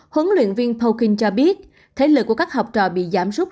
huấn luyện viên poukin cho biết thế lực của các học trò bị giảm rút